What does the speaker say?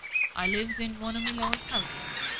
I lives in one o' my lord's houses.